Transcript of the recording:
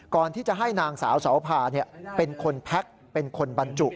ก่อนที่จะให้นางสาวเสาพาเป็นคนแพ็คเป็นคนบรรจุ